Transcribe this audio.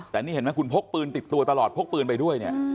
แต่นี่เห็นไหมคุณพกปืนติดตัวตลอดพกปืนไปด้วยเนี่ย